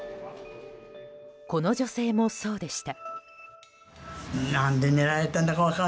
この女性も、そうでした。